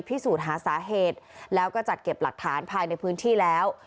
พิสูจน์หาสาเหตุแล้วก็จัดเก็บหลักฐานภายในพื้นที่แล้ว